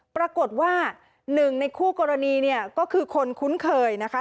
ปรากฏว่าหนึ่งในคู่กรณีเนี่ยก็คือคนคุ้นเคยนะคะ